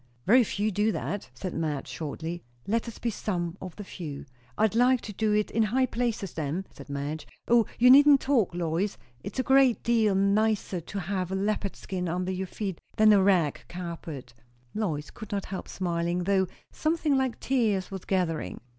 "Very few do that," said Madge shortly. "Let us be some of the few." "I'd like to do it in high places, then," said Madge. "O, you needn't talk, Lois! It's a great deal nicer to have a leopard skin under your feet than a rag carpet." Lois could not help smiling, though something like tears was gathering.